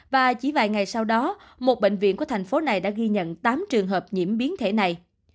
và chỉ vài ngày sau đó một bệnh viện của thành phố này đã ghi nhận tám trường hợp nhiễm biến thể này